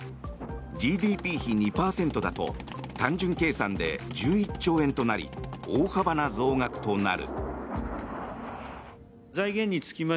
ＧＤＰ比２％だと単純計算で１１兆円となり大幅な増額となる。